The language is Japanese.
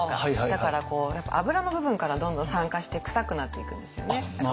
だからやっぱ脂の部分からどんどん酸化して臭くなっていくんですよね。